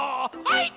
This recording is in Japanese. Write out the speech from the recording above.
はい！